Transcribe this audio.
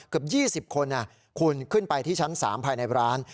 เกือบ๒๐คนคุณขึ้นไปที่ชั้น๓ภายในร้าน